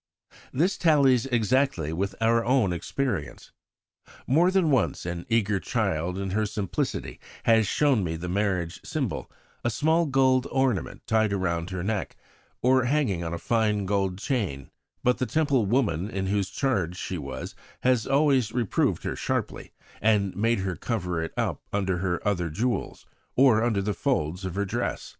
This tallies exactly with our own experience. More than once an eager child in her simplicity has shown me the marriage symbol, a small gold ornament tied round her neck, or hanging on a fine gold chain; but the Temple woman in whose charge she was has always reproved her sharply, and made her cover it up under her other jewels, or under the folds of her dress.